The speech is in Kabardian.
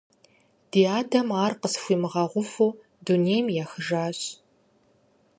Ди адэм ар къысхуимыгъэгъуфу дунейм ехыжащ.